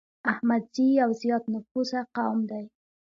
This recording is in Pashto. احمدزي يو زيات نفوسه قوم دی